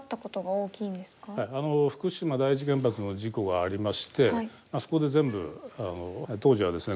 あの福島第一原発の事故がありましてあそこで全部当時はですね